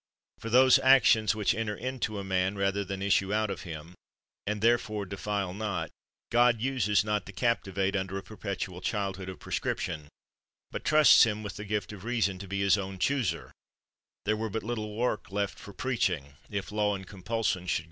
For those actions which enter into a man, rather than issue out of him, and therefore defile not, God uses not to capti vate under a perpetual childhood of prescription, but trusts him with the gift of reason to be his own chooser; there were but little work left for preaching, if law and compulsion should grow i " De Juri Natural!